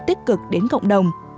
tích cực đến cộng đồng